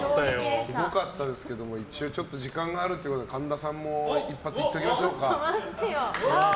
すごかったですけど一応、時間があるということで神田さんも一発いっときましょうか。